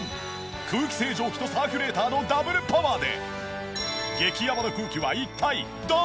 空気清浄機とサーキュレーターのダブルパワーで。